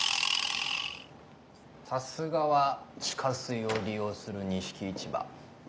さすがは地下水を利用する錦市場